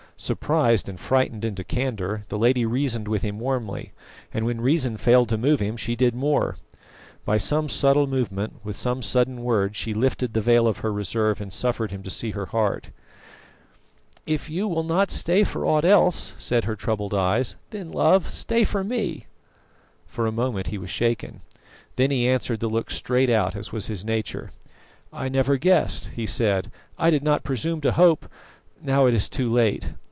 Surprised and frightened into candour, the lady reasoned with him warmly, and when reason failed to move him she did more. By some subtle movement, with some sudden word, she lifted the veil of her reserve and suffered him to see her heart. "If you will not stay for aught else," said her troubled eyes, "then, love, stay for me." For a moment he was shaken. Then he answered the look straight out, as was his nature. "I never guessed," he said. "I did not presume to hope now it is too late!